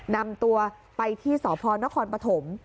นำตัวไปที่สพนครปฐม